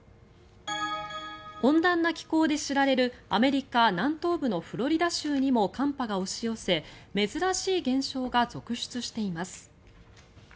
温暖な気候で知られるアメリカ南東部のフロリダ州にも寒波が押し寄せ珍しい現象が続出しています。